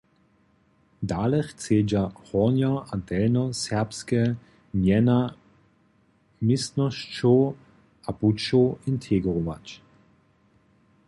Dale chcedźa hornjo- a delnjoserbske mjena městnosćow a pućow integrować.